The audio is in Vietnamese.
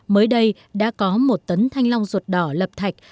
mới đây đã có một tấn thanh long ruột đỏ lập thạch